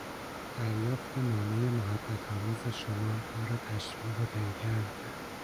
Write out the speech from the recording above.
دریافت نامهٔ محبت آمیز شما ما را تشویق و دلگرم کرد.